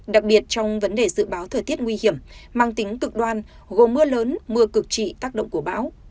đặc biệt trong vấn đề dự báo thời tiết nguy hiểm mang tính cực đoan gồm mưa lớn mưa cực trị tác động của bão